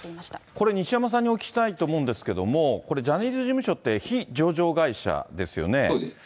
これ、西山さんにお聞きしたいと思うんですけれども、これ、ジャニーズ事務所って非上場会社ですよね。